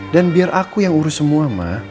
dan biar aku yang urus semua ma